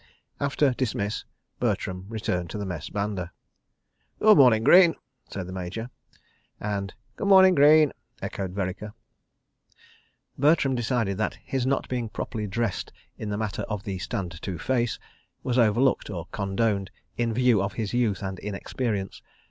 After "Dismiss," Bertram returned to the Mess banda. "Good morning, Greene," said the Major, and: "Good morning, Greene," echoed Vereker. Bertram decided that his not being properly dressed in the matter of the Stand to face, was overlooked or condoned, in view of his youth and inexperience.